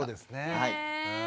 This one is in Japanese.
はい。